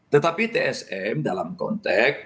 tetapi tsm dalam konteks